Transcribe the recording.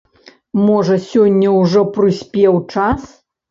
Можа, сёння ўжо прыспеў час?